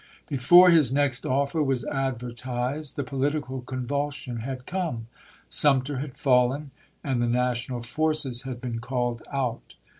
Before his next offer was advertised the political convulsion had come. Sumter had fallen, and the national forces had been called out.